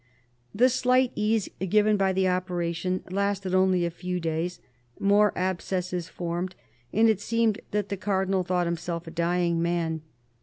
The slight ease given by the operation lasted only a few days, more abscesses forming ; and it seems that the Cardinal thought himself a dying man.